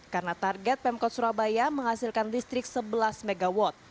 karena target pemkot surabaya menghasilkan listrik sebelas mw